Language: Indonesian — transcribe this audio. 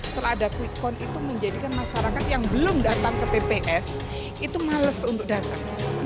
setelah ada quick count itu menjadikan masyarakat yang belum datang ke tps itu males untuk datang